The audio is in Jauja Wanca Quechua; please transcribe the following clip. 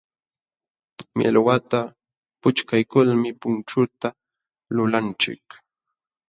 Millwata puchkaykulmi punchuta lulanchik.